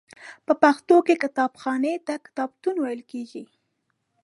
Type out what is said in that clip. په پښتو کې کتابخانې ته کتابتون ویل کیږی.